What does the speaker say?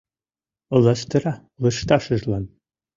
Лаштыра лышташыжлан.